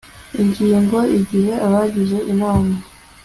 ingingo igihe abagize inama